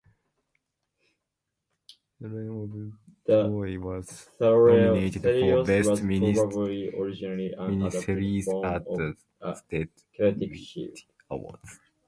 "Helen of Troy" was nominated for best miniseries at the Satellite Awards.